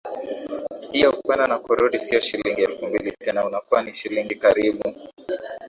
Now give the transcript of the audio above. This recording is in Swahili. hiyo kwenda na kurudi sio shilingi elfu mbili tena unakuwa ni shilingi karibu